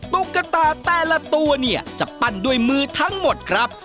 ตุ๊กตาแต่ละตัวเนี่ยจะปั้นด้วยมือทั้งหมดครับ